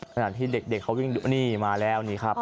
ขณะที่เด็กเขาวิ่งนี่มาแล้วนี่ครับ